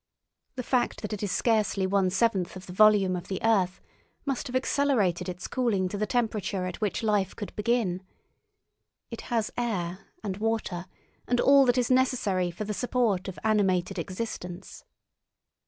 The fact that it is scarcely one seventh of the volume of the earth must have accelerated its cooling to the temperature at which life could begin. It has air and water and all that is necessary for the support of animated existence.